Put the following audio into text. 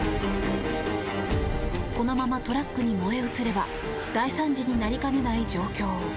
このままトラックに燃え移れば大惨事となりかねない状況。